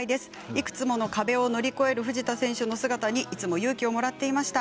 いつも壁を乗り越える藤田選手の姿にいつも勇気をもらっていました。